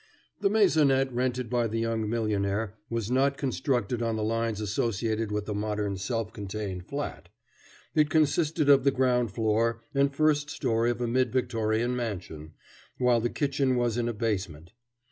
The maisonette rented by the young millionaire was not constructed on the lines associated with the modern self contained flat. It consisted of the ground floor, and first story of a mid Victorian mansion, while the kitchen was in a basement.